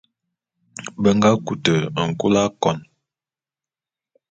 Be nga kute nkul akon.